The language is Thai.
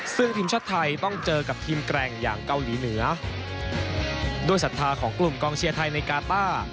ซึ่งทีมชาติไทยต้องเจอกับทีมแกร่งอย่างเกาหลีเหนือด้วยศรัทธาของกลุ่มกองเชียร์ไทยในกาต้า